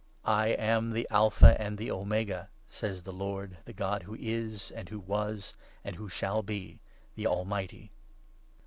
' I am the Alpha and the Omega,' says the Lord, the God 8 who is, and who was, and who shall be, the Almighty.